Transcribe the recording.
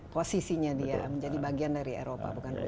posisinya dia menjadi bagian dari eropa bukan rusia